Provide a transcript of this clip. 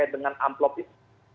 pakai dengan amplopis